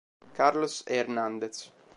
Carlos Hernández